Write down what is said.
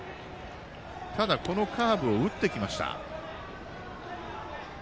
ただ、カーブ打ってきました。